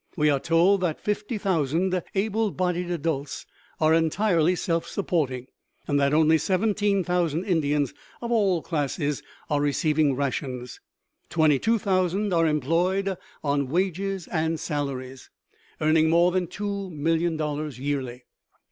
We are told that 50,000 able bodied adults are entirely self supporting, and that only 17,000 Indians of all classes are receiving rations. Twenty two thousand are employed on wages and salaries, earning more than two million dollars yearly.